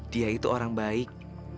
dia itu orang baik